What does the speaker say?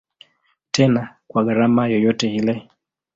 Tena kwa gharama yoyote ile.